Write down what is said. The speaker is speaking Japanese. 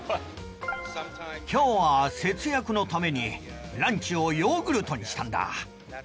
今日は節約のためにランチをヨーグルトにしたんだ。